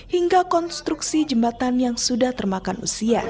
hingga konstruksi jembatan yang sudah termakan usia